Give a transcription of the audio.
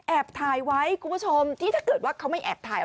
ถ่ายไว้คุณผู้ชมที่ถ้าเกิดว่าเขาไม่แอบถ่าย